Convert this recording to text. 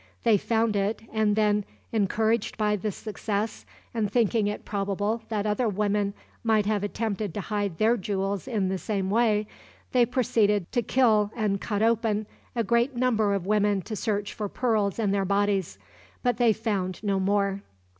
They found it, and then, encouraged by this success, and thinking it probable that other women might have attempted to hide their jewels in the same way, they proceeded to kill and cut open a great number of women to search for pearls in their bodies, but they found no more.